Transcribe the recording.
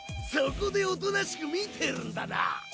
そこでおとなしく見てるんだな。